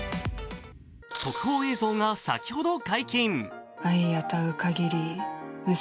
特報映像が先ほど解禁。